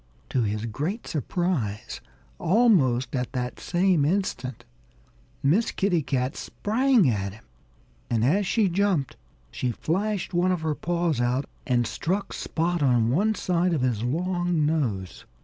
To his great surprise, almost at that same instant Miss Kitty Cat sprang at him. And as she jumped, she flashed one of her paws out and struck Spot on one side of his long nose.